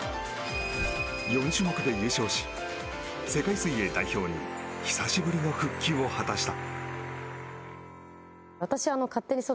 ４種目で優勝し世界水泳代表に久しぶりの復帰を果たした。